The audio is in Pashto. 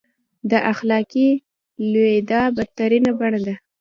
د اخلاقي لوېدا بدترینه بڼه ده.